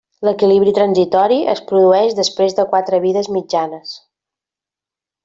L'equilibri transitori es produeix després de quatre vides mitjanes.